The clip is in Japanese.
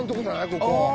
ここ。